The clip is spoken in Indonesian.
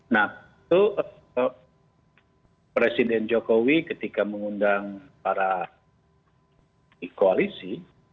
nah itu presiden jokowi ketika mengundang para koalisi